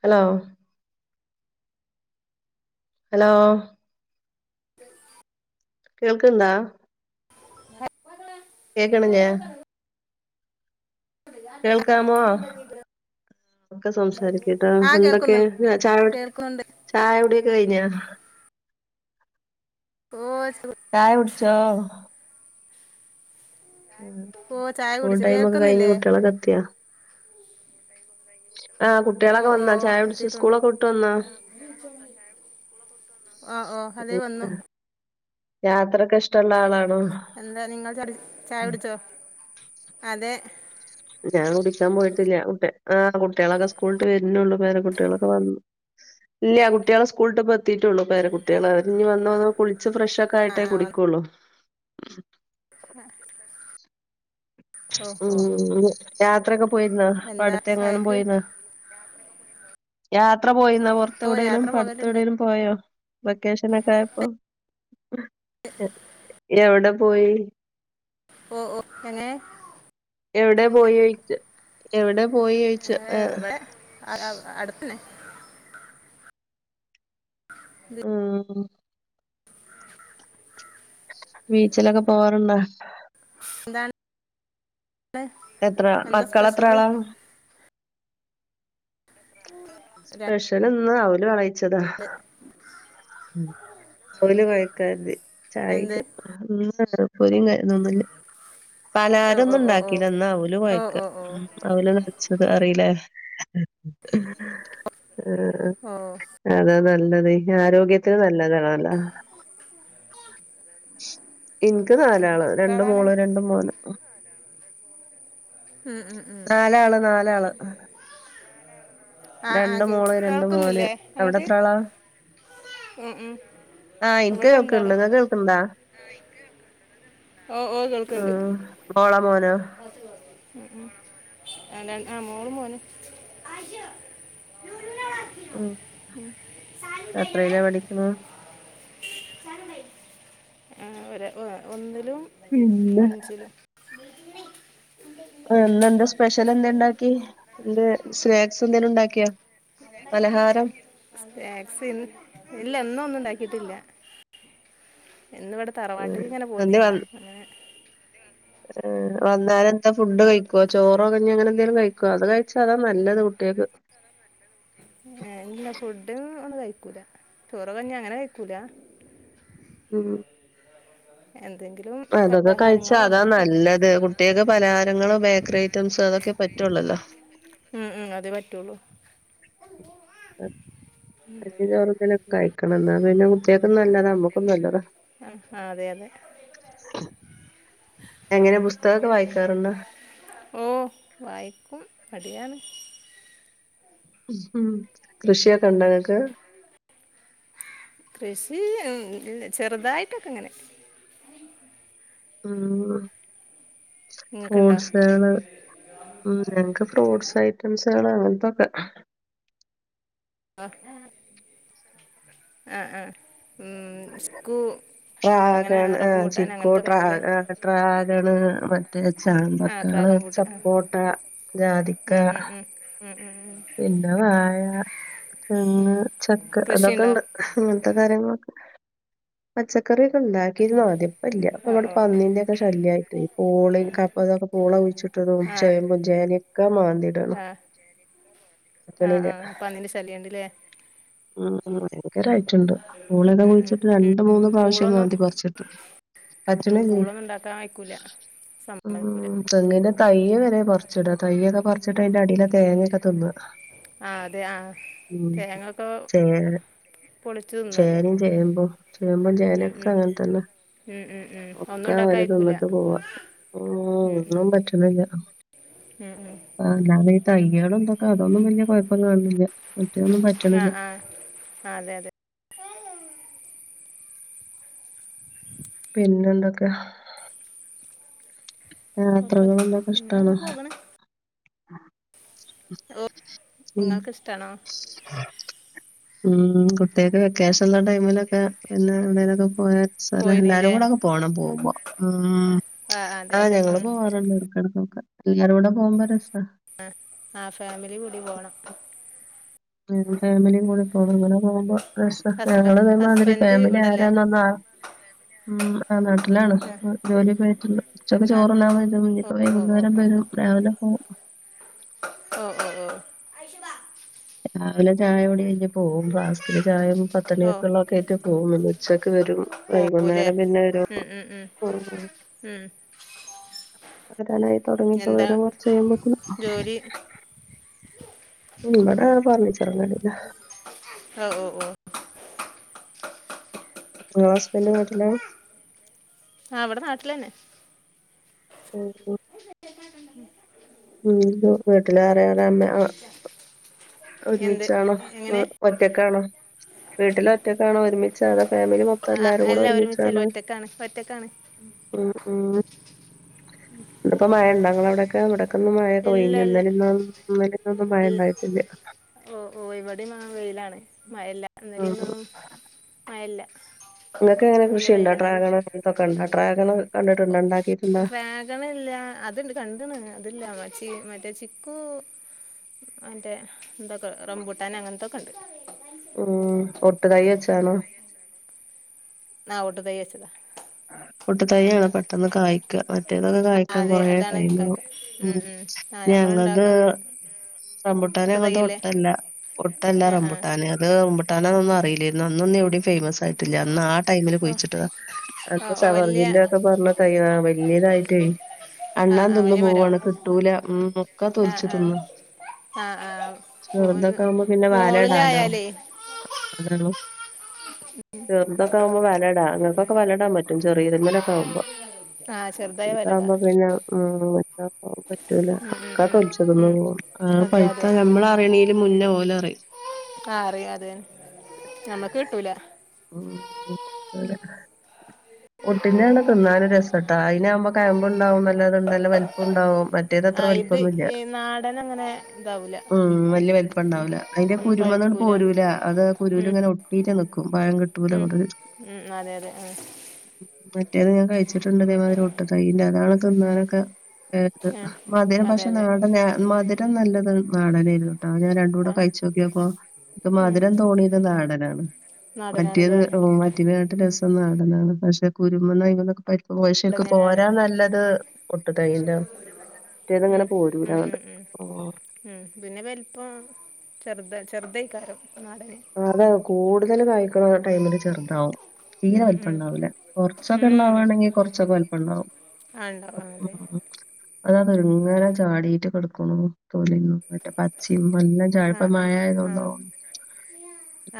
Hello hello കേൾക്ക്ണ്ടാ കേക്കണില്യേ കേൾക്കാമോ ഒക്കെ സംസാരിക്ക്ട്ടാ ആ എന്തൊക്കെ കേൾക്കുന്നുണ്ട് [unintelligible] കേൾക്കുന്നുണ്ട് ചായകുടിയൊക്കെ കയിഞ്ഞാ [unintelligible] ചായ കുടിച്ചോ ഓ ചായ സ്കൂൾ കുടിച്ചു ടൈമ് ഒക്കെ കഴിഞ്ഞ് കേൾക്കുന്നില്ലേ കുട്ട്യോളൊക്കെ എത്തിയാ ആ ഓ കുട്ട്യാളൊക്കെ ഓ വന്നാ ചായ കുടിച്ച് എത്തിയിട്ടുണ്ട് സ്കൂളൊക്കെ വിട്ട് വന്നാ ആ ഓ അതെ വന്നു യാത്ര കഷ് എന്താ നിങ്ങൾ ചടി ചായ കുടിച്ചോ അതെ ഞാൻ കുടിക്കാൻ പോയിട്ടില്ല്യാ [unintelligible] ആ കുട്ട്യാളൊക്കെ സ്കൂളിട്ട് വരുന്നുള്ളൂ പേരകുട്ട്യാളൊക്കെ വന്നു ഇല്യ കുട്ട്യാളെ സ്കൂളിട്ട് ഇപ്പ എത്തീട്ടുള്ളൂ പേരകുട്ട്യാള് അവര്ഞ് വന്ന്വന്നു കുളിച്ച് [unintelligible] ഫ്രഷ് ഒക്കെ ആ ആയിട്ടേ വന്നു. കുടിക്കൂള്ളു ആ ഓ ഉം ഓ യാത്രൊക്കെ പോയിരുന്നാ ഇപ്പൊ എന്താ അടുത്തെങ്ങാനും ചായക്ക് പോയിരുന്നാ യാത്ര പോയിന്ന ഓ പുറത്തെവിടേലും യാത്ര പോകലുണ്ട് [unintelligible] പോയോ വെക്കേഷനൊക്കെ ആയപ്പോ [unintelligible] എവിടെ പോയി ഓ ഓ എ എവിടെ പോയി [unintelligible] എവിടെ പോയി ഏ, [unintelligible] ഇവിടെ അടുത്തു തന്നെ ഇത് [inaudible] ബീച്ചിലൊക്കെ പോവാറ്ണ്ടാ ന്താണ് എത്ര മക്കളെത്രാളാ രണ്ട് സ്പെഷ്യലിന്ന് അവല് വെള [unintelligible] ഉം അവല് കൊഴക്കാതി എന്ത് ചായയ്ക്ക് ഹ ഉം [unintelligible] ഓ പലഹാരൊന്നും ഓ ഓ ഓ ഉണ്ടാക്കീല്ലന്ന് അവല് കൊയക്ക ഓ ഓ ഓ അവല് നനച്ചത് അറീലേ ആ ഓ അതാ നല്ലത് ആരോഗ്യ അത്ര നല്ലതാണല്ലോ എനിക്ക് ഉം. നാലാള് എത്ര രണ്ട് ആളാണ് മോള് രണ്ട് മോന് ഉം, ഉം, ഉം. നാലാള് നാലാള് ആ ആ രണ്ട് കേ- മോള് രണ്ട് മോന് കേൾക്കുന്നില്ലേ അവിടെ എത്ര അങ്ങോട്ട് ആളാ ഉം ഉം ആ ഇവിടെ എനിക്ക് രണ്ടാള് കേൾക്കണ്ട് നിങ്ങൾ ക്ക്‌ കേൾക്കണ്ടാ ഓ ഓ കേൾക്കണ്ട് ഉം മോളോ മോനോ ആ മോളും മോനും ഉ സാനും ബൈനടെ എത്രയിലാ പഠിക്ക്‌ണ് സാനും ബൈ ആ ഒര് ഒന്നിലും പിന്നെ അഞ്ചിലും ഇന്റെ ഇന്റെ ർ ഇന്ന് എന്താ സ്പെഷ്യൽ എന്താ ഇണ്ടാക്കി സ്നാക്സ് എന്തെിലും ഇ ണ്ടാക്കിയാ സ്നാക്സ് ഇല്ല ഇന്ന്ഒന്നും ഉണ്ടാക്ക ഇതില്ല ഇന്ന് ഇവിടെ തറവാട്ട്ക്ക് ഇങ്ങനെ എന്തേ വ പോന്നിരുന്നു അങ്ങനെ വന്നാല് എന്താ ഫുഡ് കഴിക്കോ ചോറോ കഞ്ഞി അങ്ങനെ എന്തെങ്കിലും കഴിക്കോ അത് കഴിച്ചാ അതാ നല്ലത് കുട്ടികൾക്ക് ഏ ഫുഡും ഒന്നും കഴിക്കൂല ചോറും കഞ്ഞി അങ്ങനെ കഴിക്കൂല ഉം എ അതൊക്കെ കഴിച്ചാ അതാ നല്ലത് കുട്ട്യേക്ക് പലഹാരങ്ങളും ബേക്കറി ഐറ്റംസ് അതൊക്കെ പ റ്റോള്ളല്ലോ ഉം ഉം അതേ പറ്റോള്ളു [unintelligible] കഞ്ഞിം ചോറക്കന്നെ കഴിക്കണം എന്നാ പിന്നെ മു ആഹ് അതെ അതെ എങ്ങനെ പുസ്തകൊക്കെ വായിക്കാറുണ്ടോ ഓ വായിക്കും അടിയാണ് കൃഷിയൊക്കെ ഉണ്ടോ ഇങ്ങക്ക് കൃഷി ഉം ചെറുതായിട്ടൊക്കെ ഇങ്ങനെ ഉം നിങ്ങൾക്കുണ്ടോ ഫ്രൂട്സേള് ഉം ഞങ്ങക്ക് ഫ്രൂട്ടസ് ഐറ്റംസ് സാള് അങ്ങൻത്തൊക്കെ ആ ആ ആ ഉം സ്കൂ അങ്ങനെ ട്രാഗൺ ആ റബ്ബൂട്ടാൻ ചിക്കു അങ്ങനത്തെ ട്രാ വേങ്ങല്ലേ ട്രാഗണ് മറ്റേ ആ ചാമ്പക്ക ഞങ്ങള് ഡ്രാഗൺ ഫ്രൂട്ട് ആ ചപ്പോട്ട ഉം ജാതിക്കാ ഉം ഉം ഉം ഉം ഉം പിന്നെ വായ പിന്നെ ഉം ചക്ക കൃഷിയുണ്ടോ അതൊക്കെണ്ട് അങ്ങൻത്തെ കാര്യങ്ങളൊക്കെ പച്ച ക്കറി ഒക്കെ ഉണ്ടാക്കിയിരുന്നു ആദ്യം ഇപ്പല്ല്യ ഓ ഇപ്പവിടെ ഓ ഓ പന്നിന്റെഒക്കെ ശല്ല്യായിട്ട് പൂളീം കപ്പതൊക്കെ പൂള കുഴിച്ചിട്ടതും ആ ചേമ്പും ചേനിം ഒക്കെ മാന്തിടാണ് ആഹ് ആഹ് പന്നിന്റെ ശല്ല്യണ്ട്ലേ ഉം ഉം [unintelligible] ഭയങ്കരായിറ്റ്ണ്ട് പൂളൊക്കെ ഉം ഉം കുഴിച്ചിട്ട് ഉം രണ്ട് ഉം മൂന്ന് പ്രാവശ്യം പൂളൊന്നും മാന്തി പറിച്ചിട്ട് ഉം പൂളൊന്നുംണ്ടാക്കാൻ ആയിക്കൂല ഉം തെങ്ങിന്റെ തയ്യ് വരെപറിച്ചിടാ തയ്യൊക്കെ പറിച്ചിട്ടാ അതിന്റെ അടി കെഴങ്ങൊക്കെ തിന്നാ ആഹ് അതെ ആ ഉം കെഴങ്ങൊ ചേ തിന്നുവല്ലോ ചേനിം ചേമ്പും ചേമ്പും ചേനിം ഉം ഒക്കെ ഉം അങ്ങൻതന്നെ ഉം ഉം ഉം ഒന്നും ഒക്കെ ഉണ്ടാക്കാൻ ഓര് അയക്കൂല തിന്നിട്ട് പോവാ ഉം ഉം ഉം ഒന്നും പറ്റ്ണ്ല്ല ഉം ഉം ആഹ് ഞാന് ഈ തയ്യാളും ഇതൊക്കെ അതൊന്നും വലിയ കുഴപ്പം കാണുന്നില്ല മറ്റേന്നും ആഹ് ആഹ് അതെ അതെ പിന്നെന്തൊക്കെ ഓക്കെ യാത്രകളെന്തൊക്കെ പിന്നെ ഇഷ്ടണോ അങ്ങനെ പോകണ് ഹ ഓ നിങ്ങൾക്കിഷ്ട്ടാണോ ഉം കുട്ടികക്ക് വെക്കേഷനുള്ള ടൈമിലൊ ക്കെ പിന്നെ ഇവിടലൊക്കെ പോയ സ്ഥലം എല്ലാരും പോയിരുന്നില്ലേ കൂടങ്ങ് പോണം പോകുമ്പോ ഉം ആ അതെ ആഹ് അതെ ഞങ്ങള് ഉം പോവാറുണ്ട് ഇടക്കിടക്കൊക്കെ എല്ലാരൂടെ പോകുമ്പോ രസാ ആഹ് ആ ഫാമിലി കൂടി പോണം ഉം ഫാമിലിയും കൂടി പോകുമ്പൊ അങ്ങനെ പോകുമ്പോ രസ ഹസ്ബ ഞങ്ങള് ഇതെമാതിരി ഹസ്ബൻഡ് ഫാമിലി ഇവിടല്ലേ ആരാന്നൊന്ന ഉം ആ നാട്ടിലാണ് ആ അ ജോലിയൊക്കെ സമൂഹം ഉച്ചക്ക് ആ ചോറുണ്ണാൻ വരും ഓ ഇഞ്ഞിപ്പ ഓ ഓ വൈകുന്നേരം വരും രാവിലെ പോവും ഓ ഓ ഓ രാവിലെ ചായകുടി കഴിഞ്ഞ് പോകും ഫ്ലാസ്കില് ചായയൊക്കെ പത്തുമണി ഓ വെള്ളവൊക്കെ ആയിട്ടെ പോകും ഇനി ഉച്ചക്ക് വരും പോകൂലേ വൈകുന്നേരം പിന്നെ ഒരു ഉം ഉം ഉം ആ ഉം വരാനായി തുടങ്ങിപ്പോ വരും എന്താ കുറച്ച് കിയുമ്പേക്കും ജോലി ഉം അതാ പറഞ്ഞിച്ചു അഹ് ഓ ഓ ആഹ് ഹസ്ബൻഡ് നാട്ടിലാ ആ അവിടെ നാട്ടിലന്നെ ഉ ഉം ഉ വീട്ടിലററെ അമ്മ അ [unintelligible] എന്ത് ഒരുമിച്ചാണോ ഒ എങ്ങനെ ഒറ്റക്കാണോ വീട്ടില ഒറ്റക്കാണോ ഒരുമിച്ച അതാ ഫാമിലി മക്ക ആ, എല്ലാരും കൂടെ അല്ല ഒരുമിച്ചല്ല ഒരുമിച്ചാണ് ഒറ്റക്കാണ് ഒറ്റക്കാണ് ഉ ഉ അവിടിപ്പോ മഴ ഞ്ഞിങ്ങടവിടൊക്കെ അവിടെ കന്നമഴയൊക്കെ പൊയി ഇല്ല ഇല്ല ഇന്നലന്നന്നലന്നൊന്നും മഴ ഇ- ഇണ്ടായിട്ടില്ല മഴല്ല ആഹ് എന്നലന്നൊന്നും മഴല്ല നിങ്ങക്കെ എങ്ങനെ കൃഷിുണ്ടാട്രാഗ അങ്ങനത്തൊക്കെ ഉണ്ടാട്രാഗണ ഡ്രാഗൺ ഇല്ല അത്ണ്ട് കണ്ടണ് അതില്ല മ മറ്റേ ചിക്കു മറ്റേ എന്തൊക്കെ റംബൂട്ടൻ അങ്ങനത്തെ കണ്ട് ഉം ഒട്ട് കൈ വച്ചണോ ന ഓട്ട തൈ്യച്ചതാ ഓട്ടതൈ ആണ് പെട്ടെന്ന് കായ്ക്കുക മറ്റേതൊക്കെ ആ, കയ്ക്കാൻ അതെ അതാണ് കൊറേടൈമ് വേണം കഴിക്കാൻ ഉ ആ ഞങ്ങളത് നമ്മളുണ്ടാക്കാൻ റബുട്ടാനെ പുട്ട് അങ്ങത് തയ്യല്ലേ ഒട്ടല്ല ഒട്ടല്ല ആഹ് ആഹ് റബുട്ടാനെ അത് മ്പുട്ടാനന്നൊന്നും അറിയില്ലായിരുന്നു അന്നൊന്നും എവിടയും ഫേമസ് ആയിട്ടില്ല അന്ന് ആ ടൈമില് ഓഹ് കുഴുച്ചിട്ടത അ ഓഹ് വല്യ സവർജില്ല ഒക്കെ പറഞ്ഞ ത വലയതായിട്ട ആഹ് അണ്ണാൻ ആഹ് തിന്ന് വല്യ പോവാണ് മരാവും കിട്ടൂല നോക്കാ ആഹ് തോലിച്ചു ആഹ് തിന്ന് ആഹ് ആഹ് മൂന്ന് ചറതൊക്കൊവവുമ്പോ പിന്നെ വാല ഇടാലോ മോളിലായാലേ ചേർത്തൊക്കെ ആവുമ്പോ വലടാ അങ്ങക്കൊക്കെ വലട ഇടാൻ പറ്റും ചെറിയ ഇതമ്മലൊക്കെ ആകുമ്പോ ആഹ ചെറുതായ വലടാ ഉഉം പറ്റൂല ഉം ഉം അക്കാ ഉം തൊലിച്ചതന്ന ഉം പോവാും അ അതെ അതെ പഴുത്ത നമ്മൾ അറിയണെും മുന്നേ ഓലറിയും ആഹ അറിയാംതെ നമ്മക്ക് കിട്ടൂല ഉ അല ഒട്ടിന്റൊണ് തിന്നാാന ഒരു രസാട്ടോ അതിനാവകുമ്പോ കഴമ്പ ഉണ്ടാവും നല്ലത്ണ്ടല്ല വലുപ്പം ഉണ്ടാവും മറ്റേത് അത്ര ആഹ് വലിപ്പം ഇത് ഒന്നുല ഈ നാടൻ അങ്ങനെ ഇതാവൂല ഉം വല്യ വലിപ്പം ഉണ്ടാവില്ല അതിന്റെ ഉം കുരു അതാണ് പഴുക്കൂല പോരുൂല അത് കുരു ഉം ഇങ്ങനെ ഒട്ടീട്ട് നിക്കും പഴം കിട്ടൂല ഉം അങ്ങോട്ട് ഉം അതെ അതെ ആ മറ്റേത് ഞാൻ കഴിച്ചിട്ടുണ്ട് അതേമാതിരി ഒട്ടും കയ്യിൽ അതാണ് തിന്നാനൊക്കെ ഏത് ആഹ് മധുരം അതെ പക്ഷെ അതെ നാടന് മധുരം നല്ലത് നാടനായിരുന്നു ആ ഞാൻ രണ്ടൂടെ ആഹ് കഴിച്ച് നോക്കിയപ്പോ അപ്പം ഉം മധുരം തോന്നിയത് നാടനാണ് മറ്റേത് നാടനാണ്ല്ലേ മറ്റിനാട്ട് രസം നാടനാണ് പക്ഷെ കുരുമന്നും അയിമെന്നൊക്കെ പരി പശേക്ക് ഇവിടെന്നെനാണ് പോരാൻ നല്ലത് ഒട്ടു തൈന്റാണ് ഉം ഉം ഉം ഉം ഉം പിന്നെ വലിപ്പം ചെറുതാ- ചെറ്തൈകാരം [unintelligible] അതെ കൂടുതല് കഴ്ക്കണ ടൈമില് ചെറുതാവും തീരെ ഉം ഉം വലിപ്പയുണ്ടാവില്ല കൊറച്ചൊക്കെ ഉം ഇണ്ടാവാണെങ്കിൽ കുറച്ചൊക്കെ വല്പ്പണ്ടാവും ആ ഇണ്ടാവും ആഹ് അതെ അതാണ് അങ്ങനെ ചാടീട്ട് കെടക്കുണു തൊലീന്നും മറ്റേ പച്ചേയും - നല്ല ആ ചായ്‌പ്പാ ആ ആ മഴയായതോണ്ടോ ഓ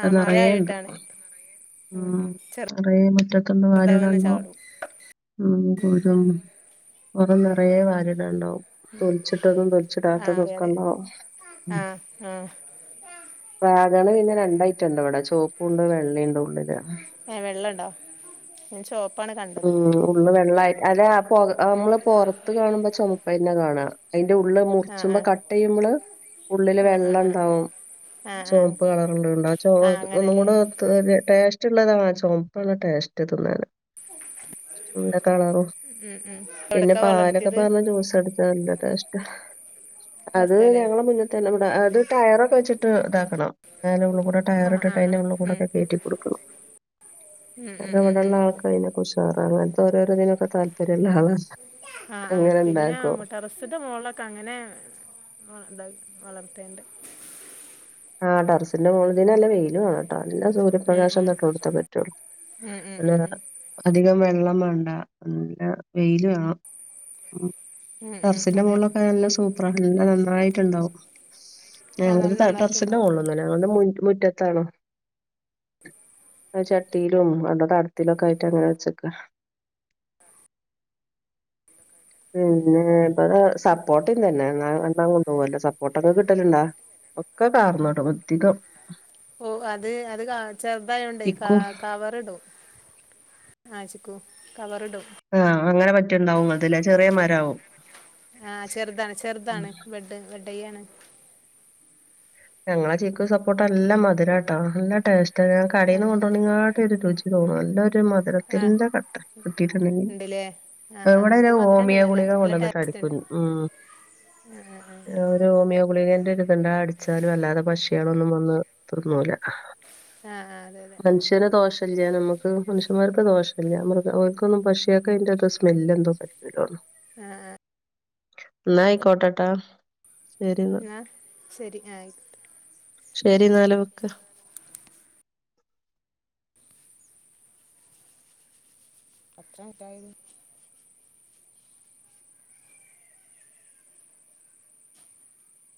ആ മഴ നെറെയേണ്ട് ആയിട്ടാണ് ഉം നെറയേ മുറ്റത്തിന്ന് ചെറുതാവുന്നെ വാരിടാമ്പോ ചാടും ഉം കുരും കൊറേ നെറയേ വാരിടാണ്ടാവും തോൽച്ചിട്ടതും ആ അതെ തോലിച്ചിടാത്തതൊക്കെ അതെ ഉണ്ടാവും ഉം ആ ആ വാങ്ങണ് പിന്നെ രണ്ട് ഐറ്റംയുണ്ട് ഇവിടെ ചോപ്പുണ്ട് വെള്ളേണ്ടുള്ളില് ഏ വെള്ളയുണ്ടോ ഞാൻ ചോപ്പാണ് കണ്ടത് അതെ ആ പൊറത്ത് നമ്മള് പൊറത്ത് കാണുമ്പോ ചോമപ്പ് തന്നെ കാണാ അയിന്റെ ഉള്ള് ആ ആ മുറിച്ചുമ്പോ കട്ട് ചെയുമ്പള് ഉള്ളില് ആ ആ ആ വെള്ളണ്ടാവും ആ ആ ചോ- ചോമപ്പ് കളറ് ഉള്ള യുണ്ട് ആ ചൊമപ്പ് ഒന്നുംകൂടെ ഒരു ടേസ്റ്റ് - മറ്റുള്ളതാ ആ ചോപ്പാണ് ടേസ്റ്റ് തിന്നാൻ എന്ത കളറും ഉം ഉം പിന്നെ എവിടക്കാ പാലൊക്കെ വളർത്തിയത് പാർന്ന് ജൂസടിച്ച നല്ല ടേസ്റ്റാ അത് ദേശത്തല്ലേ ഞങ്ങള മുന്ന തന്നെ ഇവിടെ അത് ടയറൊക്കെ വെച്ചിട്ട് ഇതാക്കണം ഞാൻ ഉള്ളു കൂടെ ടയർ ആ ഇട്ടിട്ട് ആ അയിൻ്റെ ആ ഉള്ളിൽ കൂടെ ഒക്കെ ഉം കേറ്റി കൊടുക്കുന്നു ഉം അത് ഉം ഉം ഉം ഇവിടെള്ളാക്കയിനൊക്കെ ഉഷാറാണ് അങ്ങൻത്തോരോരോ തൊക്കെ താല്പര്യള്ളാളാണ് ആ ആ പിന്നെ ടെറസിന്റെ മോൾളൊക്കെ അങ്ങനെ ഉം ഇണ്ടാ വളർത്തീണ്ട് ആ ടെർറിസിന്റെ മോൾ ഇതിന് നല്ല വെയില് വേണോട്ടാ നല്ല ഉം സൂര്യപ്രകാശം ഉം തട്ട്ണോട്ത്തേ പറ്റുള്ളൂ. ഉം ഉം ഉം അല്ലാതെ ഉം അധികം വെൾ വെള്ളം വേണ്ട നല്ല വെയിൽ വേണം ഉം ഉം ഉം ടെർസിന്റെ അതെ മോൾളൊക്കെ നല്ല ഉം ഉം സൂപ്പറ നല്ല നന്നായിട്ടുണ്ടാവും. ആ ന എവിടുന്നു ത സിൻ്റെ നന്നായിട്ടുണ്ടാവും മോൾളൊന്നല്ല ഞങ്ങളുടെ മു മുറ്റത്താണ്. അത് ചട്ടിയിലും അവിടെ തടത്തിലൊക്കെ ആയിട്ട് അങ്ങനെ വെച്ചക്കാ പിന്നെ ഇവിടെ സപ്പോട്ടെ തന്നെ കൊണ്ടോവല്ലേ സപ്പോട്ട ഒക്കെ കിട്ടല്ണ്ടോ. ഒക്കെ കാർന്നൊണ്ടോവും അധികം ഓ അത് അത് കാ ചെറുതായോണ്ടേ ക ചിക്കു കവറിടും ആ ചിക്കൂ കവറിടും. ആ അങ്ങനെ പറ്റിണ്ടാവും അതിലേ ചെറിയ മരാവും. ആ ചെറുതാണ് ഉം. ചെറുതാണ് ബെഡ് ബെഡയ്യാണ്. ഞങ്ങളെ ചിക്കു സപ്പോട്ട നല്ല മധുരാട്ടാ നല്ല ടേസ്റ്റാ ഈ ആ കടേന്ന് കൊണ്ടോന്നേങ്കാട്ടൊരു രുചി തോന്നും. നല്ലൊര് ഒരു ആ മധുരത്തിന്റെ കട്ട കിട്ടിട്ടുണ്ടെങ്കിൽ ഉണ്ടല്ലേ ആ ആ എവിടെ അയിന് അത് മധുരമുണ്ട് ഹോമിയോ നല്ല ഗുളിക നല്ല കൊണ്ടുവന്നിട്ടാടി ടേസ്റ്റ് ഉണ്ട് ഉൻ ഉം ഒരു ഹോമിയോ ഗുളികെൻ്റെ ണ്ട അടിച്ചാലും വല്ലാതെ പക്ഷികളൊന്നും വന്ന് തിന്നൂല. ആ ആ അതെ അതെ മനുഷ്യന് ദോഷല്ല്യാ നമ്മുക്ക് മനുഷ്യന്മാർക്ക് ദോഷ വല്ല്യ മൃഗം ഓർക്കൊന്നും പക്ഷിയാക്ക് അയിന്റത്ര സ്മെല്ലെന്തോ പറ്റൂലാന്ന് ഏ ഇന്നാ ആയിക്കോട്ടെ ട്ടാ ന്നാ ശരി ആ ആയിക്കോട്ടെ ശരിന്നാല് വെക്ക. ത്രാമിറ്റായത്.